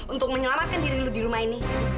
untuk menyelamatkan diri lu di rumah ini